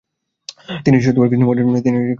তিনি এসে কৃষ্ণমোহনের সঙ্গে যোগ দেন।